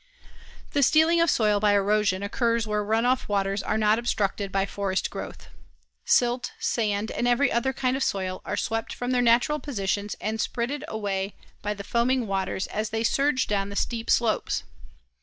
The stealing of soil by erosion occurs where run off waters are not obstructed by forest growth. Silt, sand, and every other kind of soil are swept from their natural positions and spritted away by the foaming waters as they surge down the steep slopes.